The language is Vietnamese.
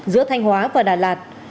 giữa thanh hóa và đà lạt